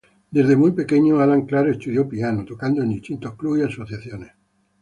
Desde muy pequeño, Alan Clark estudió piano; tocando en distintos clubs y asociaciones.